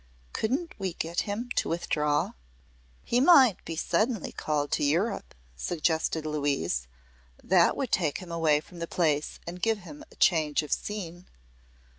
Couldn't we get him to withdraw?" "He might be suddenly called to Europe," suggested Louise. "That would take him away from the place and give him a change of scene."